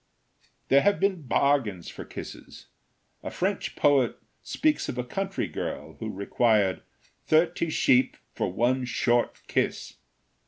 There have been bargains for kisses. A French poet speaks of a country girl who required "thirty sheep for one short kiss."